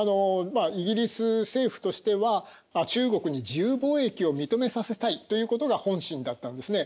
イギリス政府としては中国に自由貿易を認めさせたいということが本心だったんですね。